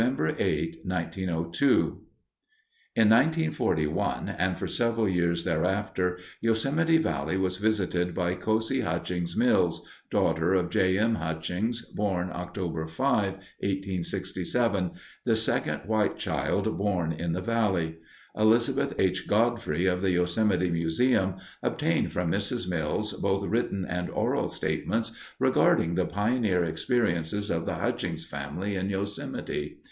8, 1902 In 1941 and for several years thereafter, Yosemite Valley was visited by Cosie Hutchings Mills, daughter of J. M. Hutchings, born October 5, 1867, the second white child born in the valley. Elizabeth H. Godfrey, of the Yosemite Museum, obtained from Mrs. Mills both written and oral statements regarding the pioneer experiences of the Hutchings family in Yosemite.